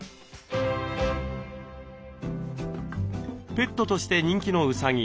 ペットとして人気のうさぎ。